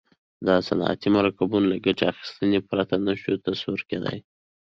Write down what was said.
د صنعتي مرکبونو له ګټې اخیستنې پرته نه شي تصور کیدای.